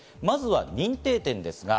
まずは認定店。